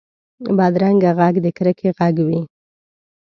بدرنګه غږ د کرکې غږ وي